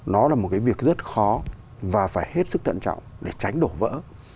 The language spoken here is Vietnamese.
nó là một cái việc rất khó và phải hết sức tận trọng để tránh đổ vỡ